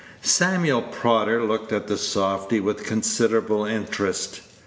Samuel Prodder looked at the softy with considerable interest.